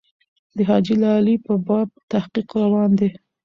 د حاجي لالي په باب تحقیق روان دی.